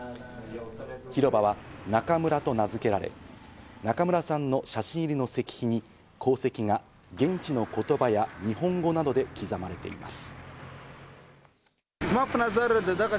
広場は「ナカムラ」と名付けられ、中村さんの写真入りの石碑に功績が現地の言葉や日本語などで刻まれています。